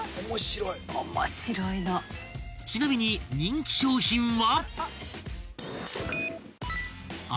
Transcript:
［ちなみに人気商品は］